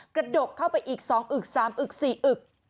กระดกเข้าไปอีก๒อึก๓อึก๔อึก